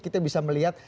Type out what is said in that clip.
kita bisa melihat